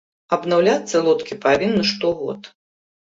Абнаўляцца лодкі павінны штогод.